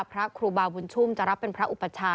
พระครูบาบุญชุมจะรับเป็นพระอุปชา